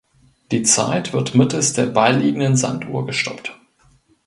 Die Zeit wird mittels der beiliegenden Sanduhr gestoppt.